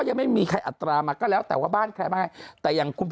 ยังไม่มีใครอัตรามาก็แล้วแต่ว่าบ้านใครบ้านแต่อย่างคุณ